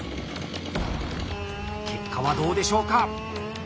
結果はどうでしょうか